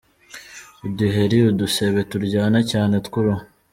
Uduheri ,udusebe turyana cyane tw’uruhu,.